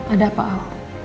ada apa al